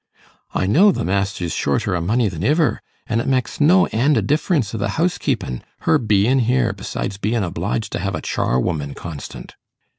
'I know the master's shorter o' money than iver, an' it meks no end o' difference i' th' housekeepin' her bein' here, besides bein' obliged to have a charwoman constant.